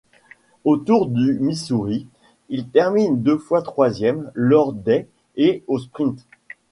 Au Tour du Missouri, il termine deux fois troisième lors des et au sprint.